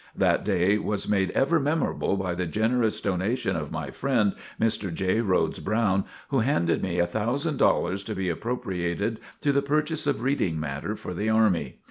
That day was made ever memorable by the generous donation of my friend, Mr. J. Rhodes Brown, who handed me a thousand dollars to be appropriated to the purchase of reading matter for the army.